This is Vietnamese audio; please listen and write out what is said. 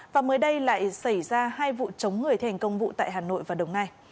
và mới đây lại xảy ra hai vụ chống người thành công vụ tại hà nội và đồng nai